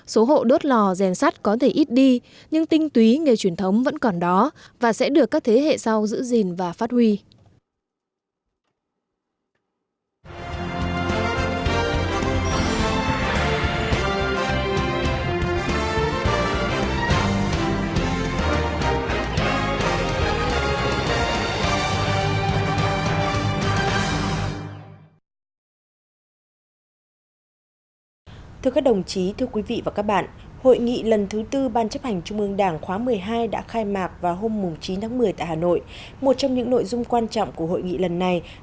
số hộ đốt lò rèn sắt có thể ít đi nhưng tinh túy nghề truyền thống vẫn còn đó và sẽ được các thế hệ sau giữ gìn và phát huy